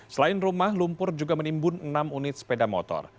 selain rumah lumpur juga menimbun enam unit sepeda motor